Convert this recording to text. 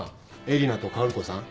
えりなと薫子さん。